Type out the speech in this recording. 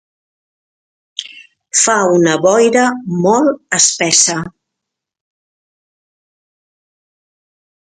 Fa una boira molt espessa.